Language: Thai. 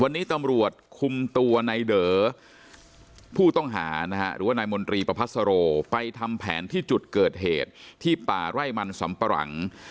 วันนี้ตำรวจคุมตัวในเด๋อผู้ต้องหานะฮะหรือว่านายมนตรีประพัสโรไปทำแผนที่จุดเกิดเหตุที่ป่าไร่มันสำปะหลัง